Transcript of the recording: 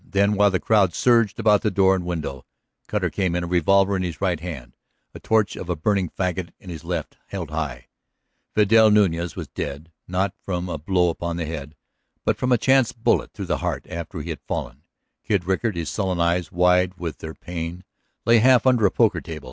Then, while the crowd surged about door and window. Cutter came in, a revolver in his right hand, a torch of a burning fagot in his left, held high. Vidal Nuñez was dead; not from a blow upon the head, but from a chance bullet through the heart after he had fallen. Kid Rickard, his sullen eyes wide with their pain, lay half under a poker table.